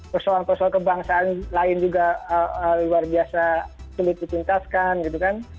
persoalan persoalan kebangsaan lain juga luar biasa sulit dipintaskan gitu kan